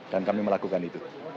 dan kami melakukan itu